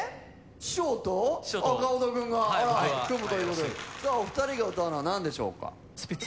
師匠と川畑君が組むということでさあお二人が歌うのは何でしょうか？